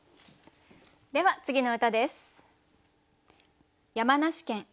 では次の歌です。